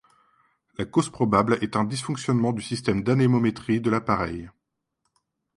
La cause probable est un dysfonctionnement du système d'anémométrie de l'appareil.